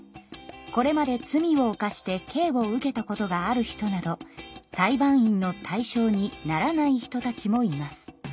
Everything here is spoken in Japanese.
これまで罪を犯して刑を受けたことがある人など裁判員の対象にならない人たちもいます。